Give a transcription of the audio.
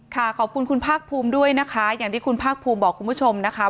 ขอบคุณคุณภาคภูมิด้วยนะคะอย่างที่คุณภาคภูมิบอกคุณผู้ชมนะคะ